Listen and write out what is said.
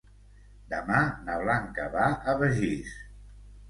Demà na Blanca va a Begís.